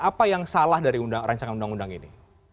apa yang salah dari rancangan undang undang ini